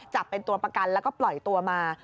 จับเป็นตัวประกันแล้วก็ปล่อยตัวมา